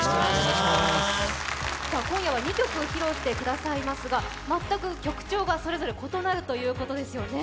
今夜は２曲披露してくださいますが全く曲調がそれぞれ異なるということですよね？